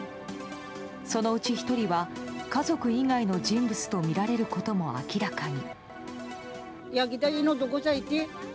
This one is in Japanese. そのうち１人は家族以外の人物とみられることも明らかに。